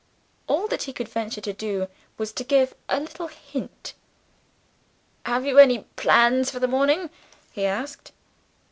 All that he could venture to do was to give a little hint. "Have you any plans for the morning?" he asked.